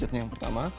itu adalah yang pertama